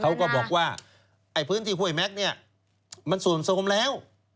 เขาก็บอกว่าพื้นที่ห้วยแม็กซ์นี่มันเสื่อมโซมแล้ว